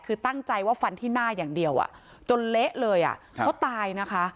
คือตั้งใจว่าฟันที่หน้าอย่างเดียวจนเละเลยอ่ะเขาตายนะคะ